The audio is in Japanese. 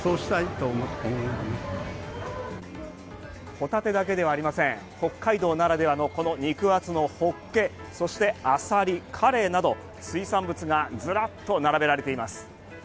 ホタテだけではありません北海道ならではの肉厚のホッケそしてアサリ、カレイなど水産物がずらっと並べられています。